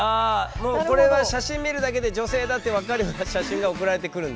もうこれは写真見るだけで女性だって分かるような写真が送られてくるんだ？